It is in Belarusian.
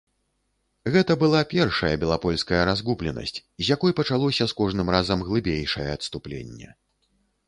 Гэта была першая белапольская разгубленасць, з якой пачалося з кожным разам глыбейшае адступленне.